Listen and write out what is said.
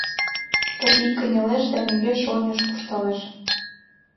Тропий кынелеш да мӧҥгеш-оньыш куржталеш.